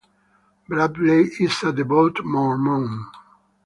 Bradley is a devout Mormon.